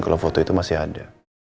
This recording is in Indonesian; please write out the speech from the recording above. kalau foto itu masih ada